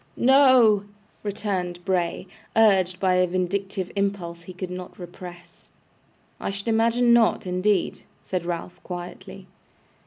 'No!' returned Bray, urged by a vindictive impulse he could not repress. 'I should imagine not, indeed!' said Ralph, quietly.